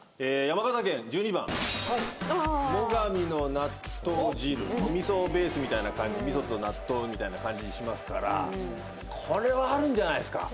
山形県１２番味噌ベースみたいな感じ味噌と納豆みたいな感じにしますからこれはあるんじゃないすか？